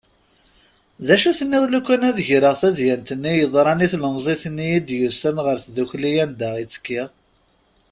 D acu i tenniḍ lukan ad greɣ tadyant yeḍran i tlemẓit-nni i d-yusan ɣer tddukli anda i ttekkiɣ.